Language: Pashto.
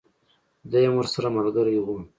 دی هم ورسره ملګری وو.